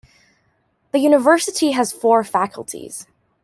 The university has four faculties.